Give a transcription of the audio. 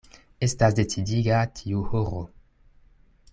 Estas decidiga tiu horo.